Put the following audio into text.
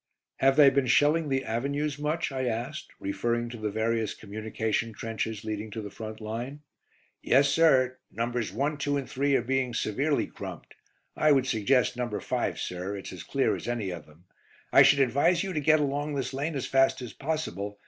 "Have they been shelling the avenues much?" I asked, referring to the various communication trenches leading to the front line. "Yes, sir. Nos. 1, 2 and 3 are being severely crumped. I would suggest No. 5, sir; it's as clear as any of them. I should advise you to get along this lane as fast as possible.